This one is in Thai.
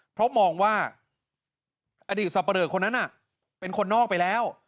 เพราะมองว่าอดีตสับปะเลอคนนั้นเป็นคนนอกไปแล้ว